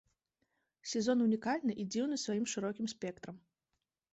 Сезон унікальны і дзіўны сваім шырокім спектрам.